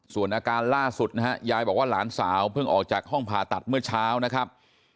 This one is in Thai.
ส่วนอาการล่าสุดนะฮะยายบอกว่าหลานสาวเพิ่งออกจากห้องผ่าตัดเมื่อเช้านะครับ